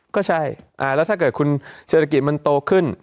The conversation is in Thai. ก็ใช่แล้วถ้าเกิดคุณเศรษฐกิจมันโตขึ้น